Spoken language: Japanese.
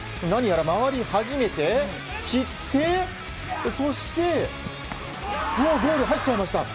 何やら回り始めて、散ってそして、ゴールに入っちゃいました。